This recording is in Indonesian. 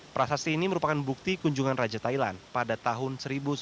prasasti ini merupakan bukti kunjungan raja thailand pada tahun seribu sembilan ratus sembilan puluh